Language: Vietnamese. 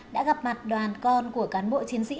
đã gặp mặt đoàn con của cán bộ chiến sĩ